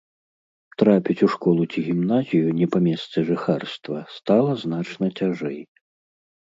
Трапіць у школу ці гімназію не па месцы жыхарства стала значна цяжэй.